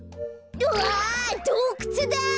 わあどうくつだ！